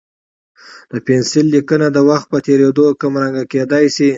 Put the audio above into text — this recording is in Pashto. د پنسل لیکنه د وخت په تېرېدو کمرنګه کېدای شي.